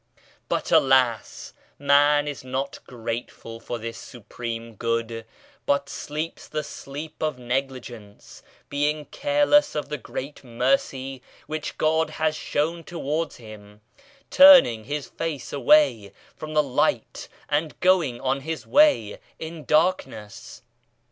But alas I man is not grateful for this supreme good, but sleeps the sleep of negligence, being careless of the great Mercy which God has shown towards him, turning his face away from the Light and going on his way hi darkness.